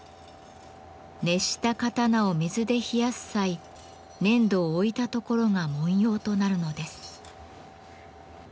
熱した刀を水で冷やす際粘土を置いた所が文様となるのです。